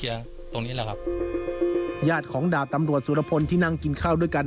ญาติของดาบตำรวจสุรพลที่นั่งกินข้าวด้วยกัน